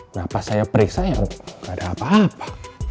nah pas saya periksa ya gak ada apa apa